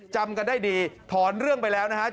จำกันได้ดีถอนเรื่องไปแล้วนะฮะ